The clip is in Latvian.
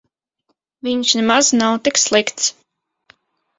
Viņš nav nemaz tik slikts.